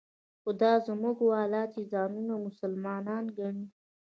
خو دا زموږ والا چې ځانونه مسلمانان ګڼي.